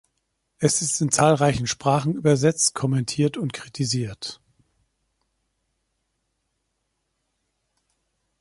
Es ist in zahlreichen Sprachen übersetzt, kommentiert und kritisiert.